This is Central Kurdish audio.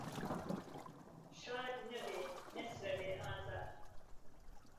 شاد نهبێ، نهسرهوێ ئازار